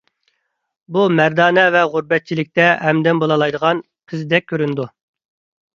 بۇ مەردانە ۋە غۇربەتچىلىكتە ھەمدەم بولالايدىغان قىزدەك كۆرۈنىدۇ.